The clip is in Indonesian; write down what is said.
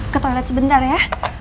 ke toilet sebentar ya